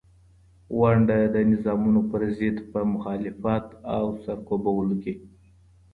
ونډه د نظامونو پر ضد په مخالفت او سرکوبولو کي